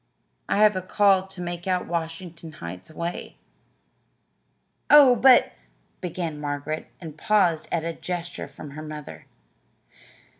I have a call to make out Washington Heights way." "Oh, but " began Margaret, and paused at a gesture from her mother.